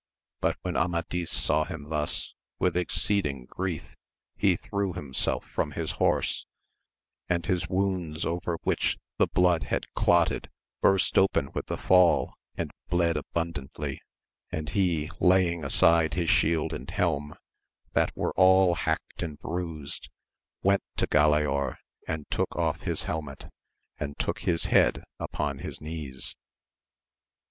But when Amadis saw him thus with ex ceeding grief he threw himself from his horse, and his wounds over which the blood had clotted, burst oi^en 60 AMADIS OF GAUL. with the fall, and bled abundantly, and he laying aside his shield and helm that were all hacked and bruised, went to Galaor and took off his helmet, and took his head upon his knees.